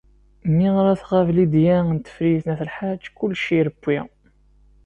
Mi ara tɣab Lidya n Tifrit n At Lḥaǧ, kullec irewwi.